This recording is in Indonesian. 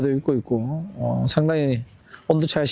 di pertandingan semifinal kontra uzbekistan